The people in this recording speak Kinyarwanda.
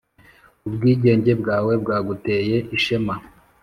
ubwigenge bwawe bwaguteye ishema